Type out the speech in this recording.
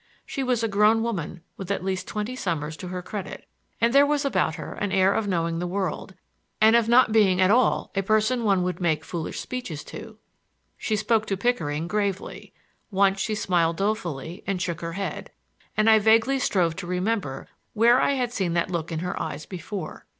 She was a grown woman with at least twenty summers to her credit, and there was about her an air of knowing the world, and of not being at all a person one would make foolish speeches to. She spoke to Pickering gravely. Once she smiled dolefully and shook her head, and I vaguely strove to remember where I had seen that look in her eyes before.